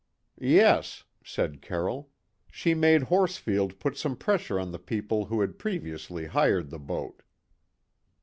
"Yes," said Carroll. "She made Horsfield put some pressure on the people who had previously hired the boat."